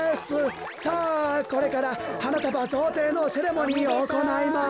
さあこれからはなたばぞうていのセレモニーをおこないます！